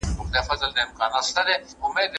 دا طریقه ساده ده.